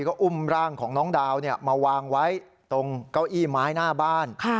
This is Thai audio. ก็อุ้มร่างของน้องดาวมาวางไว้ตรงเก้าอี้ไม้หน้าบ้าน